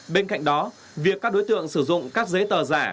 bên cạnh đó việc các đối tượng sử dụng các giấy tờ giả